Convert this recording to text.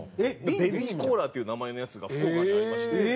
ベビーコーラっていう名前のやつが福岡にありまして。